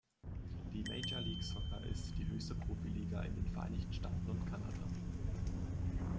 Die Major League Soccer ist die höchste Profiliga in den Vereinigten Staaten und Kanada.